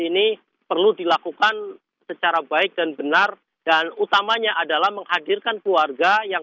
ini perlu dilakukan secara baik dan benar dan utamanya adalah menghadirkan keluarga yang